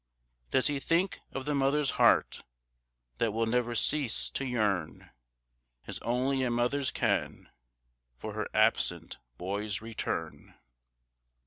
Does he think of the mother's heart That will never cease to yearn, As only a mother's can, For her absent boy's return?